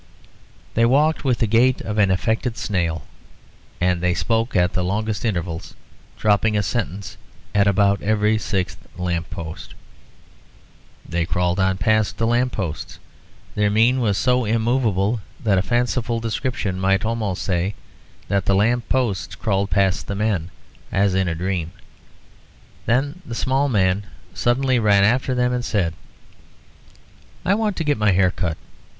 They walked with the gait of an affected snail, and they spoke at the longest intervals, dropping a sentence at about every sixth lamp post. They crawled on past the lamp posts; their mien was so immovable that a fanciful description might almost say, that the lamp posts crawled past the men, as in a dream. Then the small man suddenly ran after them and said "I want to get my hair cut.